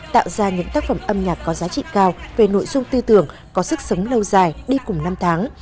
tạo ra những tác phẩm âm nhạc có giá trị cao về nội dung tư tưởng có sức sống lâu dài đi cùng năm tháng